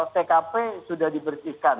tkp sudah diberisikan